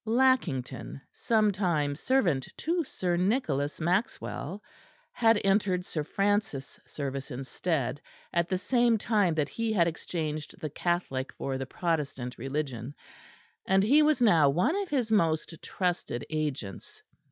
Lackington, sometime servant to Sir Nicholas Maxwell, had entered Sir Francis' service instead, at the same time that he had exchanged the Catholic for the Protestant religion; and he was now one of his most trusted agents.